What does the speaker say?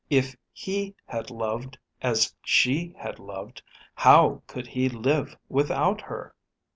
If he had loved as she had loved how could he live without her?